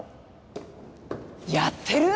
やってる？